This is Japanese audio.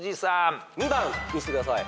２番見せてください。